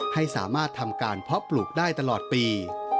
ให้สามารถทำการเพาะปลูกได้ตลอดปี